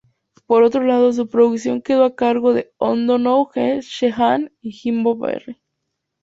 Por otro lado, su producción quedó a cargo de O'Donoghue, Sheehan y Jimbo Barry.